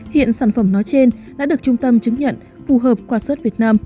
hiện sản phẩm nói trên đã được trung tâm chứng nhận phù hợp quastert việt nam